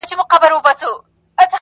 هم په زور كي موږكان نه وه زمري وه،